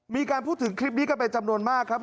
มีการพูดถึงคลิปนี้กันเป็นจำนวนมากครับ